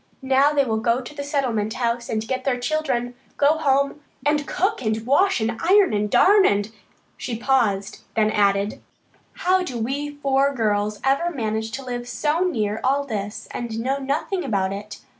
Now they will go to the Settlement House and get their children, go home and cook and wash and iron and darn and " she paused, then added, "How did we four girls ever manage to live so near all this and know nothing about it?